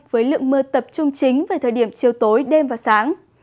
với lượng mưa tập trung chính về thời điểm chiều tối đêm và sáng